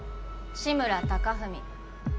志村貴文